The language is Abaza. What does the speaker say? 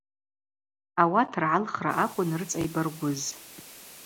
Ауат ргӏалхра акӏвын рыцӏа йбаргвыз.